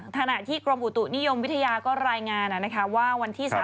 ถนาที่กรมอุตุนิยมวิทยาก็รายงานว่า